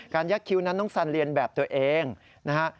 ยักษ์คิ้วนั้นน้องสันเรียนแบบตัวเองนะฮะ